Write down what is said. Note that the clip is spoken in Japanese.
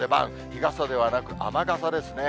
日傘ではなく、雨傘ですね。